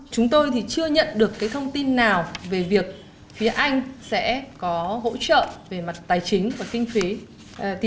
chúng tôi chưa nhận được thông tin nào về việc phía anh sẽ có hỗ trợ về mặt tài chính và kinh phí